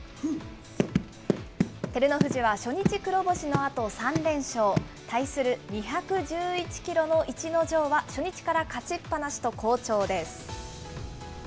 照ノ富士は初日黒星のあと、３連勝。対する２１１キロの逸ノ城は初日から勝ちっぱなしと好調です。